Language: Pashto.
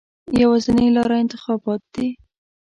یوازینۍ لاره انتخابات دي.